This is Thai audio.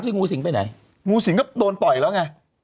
งูศิงง์ก็โดนปล่อยแล้วไง